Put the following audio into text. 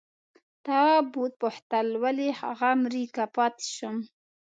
تواب وپوښتل ولې هغه مري که پاتې شم؟